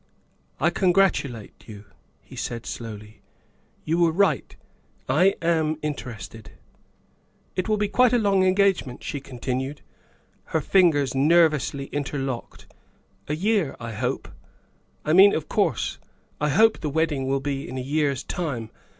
" I congratulate you," he said slowly. " You were right, I am interested." " It will be quite a long engagement," she continued, her fingers nervously interlocked " a year, I hope; I mean, of course, I hope the wedding will be in a year's time.